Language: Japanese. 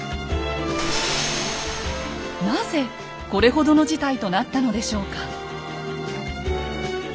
なぜこれほどの事態となったのでしょうか？